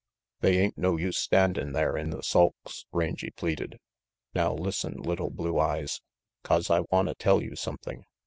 "They ain't no use standin' there in the sulks," Rangy pleaded. "Now listen, little Blue Eyes, 'cause I wanta tell you something.